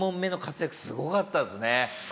すごかったです。